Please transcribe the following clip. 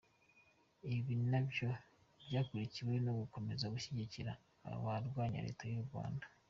Ibi nabyo byakurikiwe no gukomeza gushyigikira abarwanya Leta y’u Rwanda.